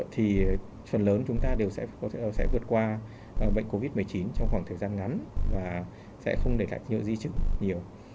thì phần lớn chúng ta đều sẽ vượt qua bệnh covid một mươi chín trong khoảng thời gian ngắn và sẽ không để lại nhiều di chức nhiều